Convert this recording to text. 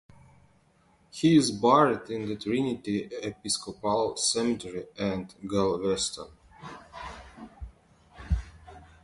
He is buried in the Trinity Episcopal Cemetery at Galveston.